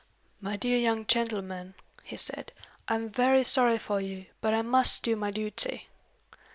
"My dear young gentleman," he said, "I am very sorry for you, but I must do my duty."